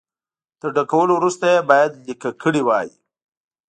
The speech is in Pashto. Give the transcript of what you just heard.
تر ډکولو وروسته یې باید لیکه کړي وای.